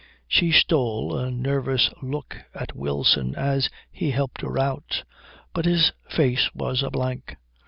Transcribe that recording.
She stole a nervous look at Wilson as he helped her out, but his face was a blank.